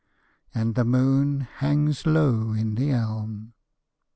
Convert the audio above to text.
_And the moon hangs low in the elm.